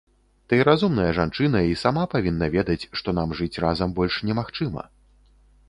Ты разумная жанчына і сама павінна ведаць, што нам жыць разам больш немагчыма.